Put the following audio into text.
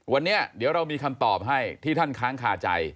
วันนี้เดี๋ยวเรามีคำตอบให้ที่ท่านค้างคาใจ